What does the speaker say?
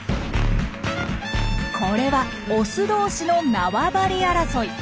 これはオス同士の縄張り争い。